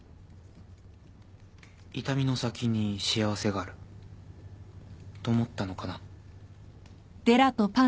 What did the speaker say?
痛みの先に幸せがあると思ったのかな。